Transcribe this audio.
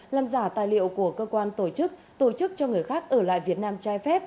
làm giả tài liệu của cơ quan tổ chức tổ chức cho người khác ở lại việt nam trai phép